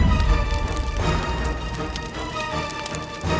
jadi akan berusaha